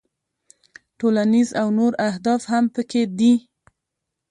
ټولنیز او نور اهداف هم پکې دي.